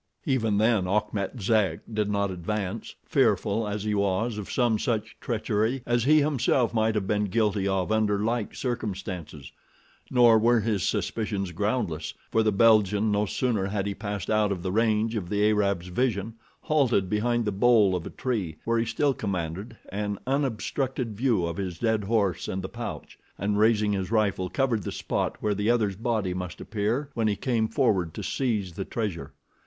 Even then Achmet Zek did not advance, fearful as he was of some such treachery as he himself might have been guilty of under like circumstances; nor were his suspicions groundless, for the Belgian, no sooner had he passed out of the range of the Arab's vision, halted behind the bole of a tree, where he still commanded an unobstructed view of his dead horse and the pouch, and raising his rifle covered the spot where the other's body must appear when he came forward to seize the treasure.